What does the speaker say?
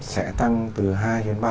sẽ tăng từ hai đến ba lần